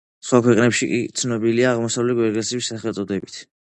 სხვა ქვეყნებში კი ცნობილია აღმოსავლური გველგესლას სახელწოდებით.